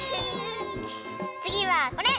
つぎはこれ！